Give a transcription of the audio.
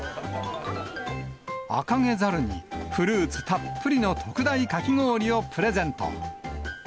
アカゲザルに、フルーツたっぷりの特大かき氷をプレゼント。